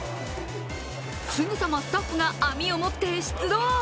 すぐさま、スタッフが網を持って出動。